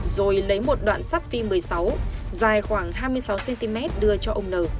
rồi lấy một đoạn sắt phi một mươi sáu dài khoảng hai mươi sáu cm đưa cho ông n